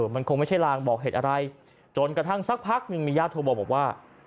มันคงไม่ใช่ลางบอกเหตุอะไรจนกระทั่งสักพักหนึ่งมีญาติโทรมาบอกว่า